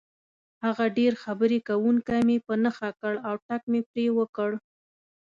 هغه ډېر خبرې کوونکی مې په نښه کړ او ټک مې پرې وکړ.